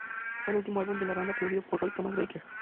Fue el último álbum de la banda producido por Roy Thomas Baker.